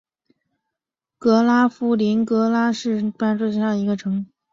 格拉夫林格是德国巴伐利亚州的一个市镇。